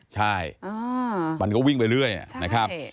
ใช่มันก็วิ่งไปเรื่อยนะครับ